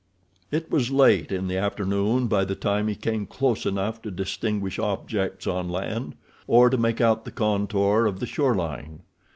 It was late in the afternoon by the time he came close enough to distinguish objects on land, or to make out the contour of the shore line.